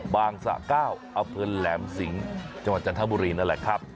สะเก้าอำเภอแหลมสิงห์จังหวัดจันทบุรีนั่นแหละครับ